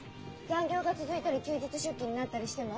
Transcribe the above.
残業が続いたり休日出勤になったりしても？